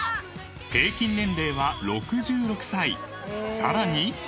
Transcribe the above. ［さらに］